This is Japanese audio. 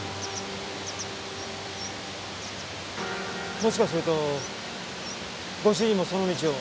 もしかするとご主人もその道を？